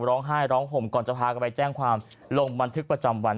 ร้องไห้ร้องห่มก่อนจะพากันไปแจ้งความลงบันทึกประจำวัน